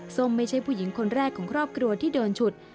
ไม่ใช่ผู้หญิงคนแรกของครอบครัวที่โดนฉุด